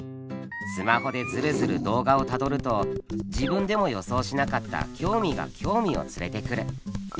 スマホでヅルヅル動画をたどると自分でも予想しなかった興味が興味を連れてくる。